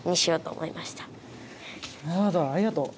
ありがとう。